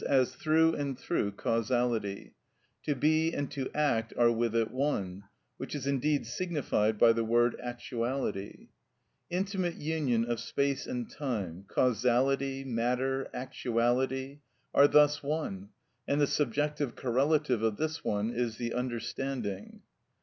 _, as through and through causality; to be and to act are with it one, which is indeed signified by the word actuality. Intimate union of space and time—causality, matter, actuality—are thus one, and the subjective correlative of this one is the understanding.